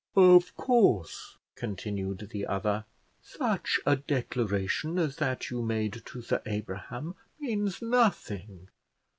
"Of course," continued the other, "such a declaration as that you made to Sir Abraham means nothing.